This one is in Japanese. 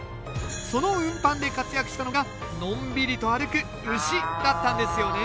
その運搬で活躍したのがのんびりと歩く牛だったんですよね。